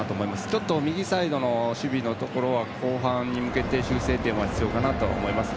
ちょっと右サイドの守備は後半に向けて修正点が必要かと思います。